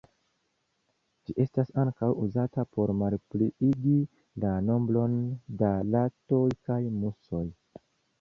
Ĝi estas ankaŭ uzata por malpliigi la nombron da ratoj kaj musoj.